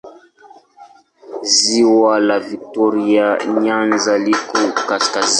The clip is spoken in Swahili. Ziwa la Viktoria Nyanza liko kaskazini.